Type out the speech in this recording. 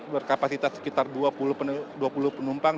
berkapasitas sekitar dua puluh penumpang